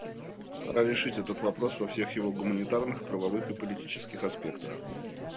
Пора решить этот вопрос во всех его гуманитарных, правовых и политических аспектах.